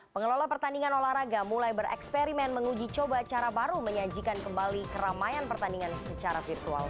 pengelola pertandingan olahraga mulai bereksperimen menguji coba cara baru menyajikan kembali keramaian pertandingan secara virtual